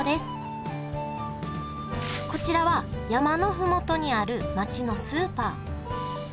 こちらは山の麓にある街のスーパー。